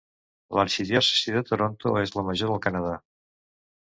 L'arxidiòcesi de Toronto és la major del Canadà.